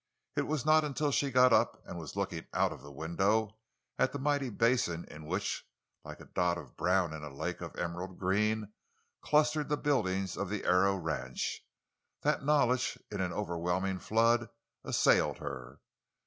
It was not until she got up and was looking out of the window at the mighty basin in which—like a dot of brown in a lake of emerald green—clustered the buildings of the Arrow ranch, that knowledge in an overwhelming flood assailed her.